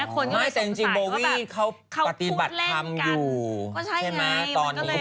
ไม่แต่จริงบ่ววี่เขาปฏิบัติคำอยู่ใช่ไหม